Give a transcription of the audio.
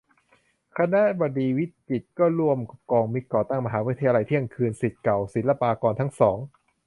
คณบดีวิจิตร ก็ร่วมกับมิตรก่อตั้ง "มหาวิทยาลัยเที่ยงคืน" ศิษย์เก่าศิลปากรทั้งสอง